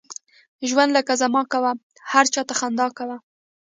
ژوند لکه زما کوه ، هر چاته خنده کوه!